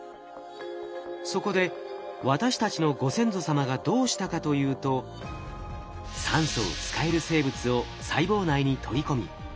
そこで私たちのご先祖様がどうしたかというと酸素を使える生物を細胞内に取り込み